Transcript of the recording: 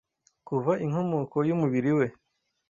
kuva inkomoko y'umubiri we